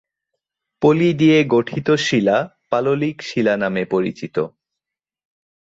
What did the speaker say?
পলি দিয়ে গঠিত শিলা পাললিক শিলা নামে পরিচিত।